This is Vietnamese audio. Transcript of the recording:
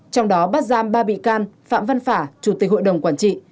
trong đó bắt giam ba bị can phạm văn phả chủ tịch hội đồng quản trị